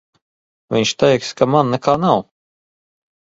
Viņš teiks, ka man nekā nav.